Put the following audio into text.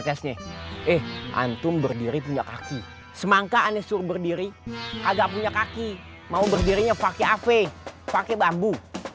tidak punya kaki mau berdirinya pakai av pakai bambu